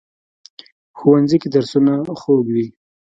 ښوونځی کې درسونه خوږ وي